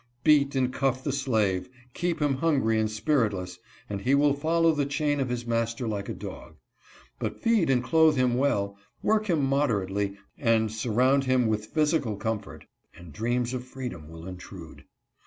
Beat and cuff the slave, keep him hungry and spiritless, and he will follow the chain of his master like a dog ; but feed and clothe him well, work him moderately and sur round him with physical comfort, and dreams of freedom will intrude.